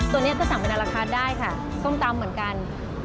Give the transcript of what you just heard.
ตัวนี้จะสั่งไปในราคาได้ค่ะส้มตำเหมือนกัน